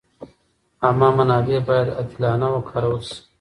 عامه منابع باید عادلانه وکارول شي.